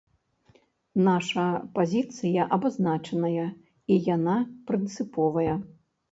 Наша пазіцыя абазначаная, і яна прынцыповая.